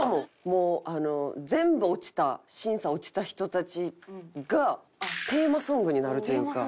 もうあの全部落ちた審査落ちた人たちがテーマソングになるというか。